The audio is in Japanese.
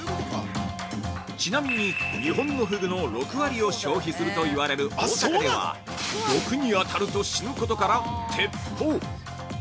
◆ちなみに、日本のふぐの６割を消費するといわれる大阪では毒にあたると死ぬことから「てっぽう」